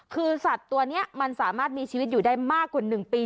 คือสัตว์ตัวนี้มันสามารถมีชีวิตอยู่ได้มากกว่า๑ปี